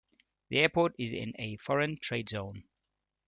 The airport is in a foreign-trade zone.